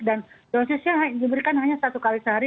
dan dosisnya diberikan hanya satu kali sehari